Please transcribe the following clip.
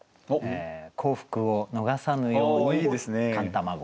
「幸福を逃さぬやうに寒卵」。